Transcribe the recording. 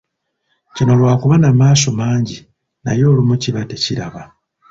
Kino lwa kuba na maaso mangi naye olumu kiba tekiraba.